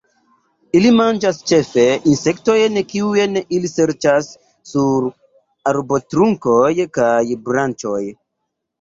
Ili manĝas ĉefe insektojn kiujn ili serĉas sur arbotrunkoj kaj branĉoj.